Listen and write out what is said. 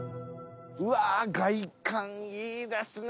うわ外観いいですね